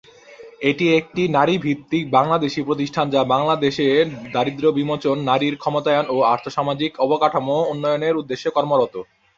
এটি একটি নারী ভিত্তিক বাংলাদেশী প্রতিষ্ঠান যা বাংলাদেশে দারিদ্র্য বিমোচন, নারীর ক্ষমতায়ন ও আর্থ-সামাজিক অবকাঠামো উন্নয়নের উদ্দেশ্যে কর্মরত।